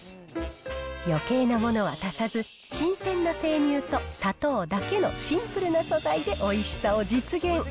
よけいなものは足さず、新鮮な生乳と砂糖だけのシンプルな素材でおいしさを実現。